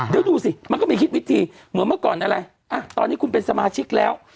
เดี๋ยวดูสิมันก็มีคิดวิธีเหมือนเมื่อก่อนอะไรอ่ะตอนนี้คุณเป็นสมาชิกแล้ว